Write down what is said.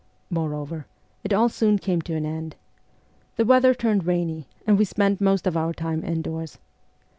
Moreover, it all soon came to an end. The weather turned rainy, and we spent most of our time indoors.